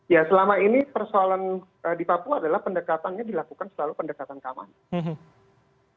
ya selama ini persoalan di papua adalah pendekatannya dilakukan selalu pendekatan keamanan